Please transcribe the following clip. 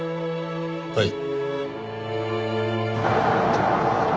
はい。